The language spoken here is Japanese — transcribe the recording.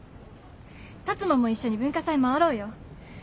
辰馬も一緒に文化祭回ろうよ。